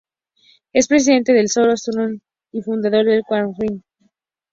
Es presidente del Soros Fund Management y fundador de Quantum Fund.